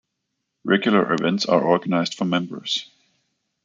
Regular events are organised for members.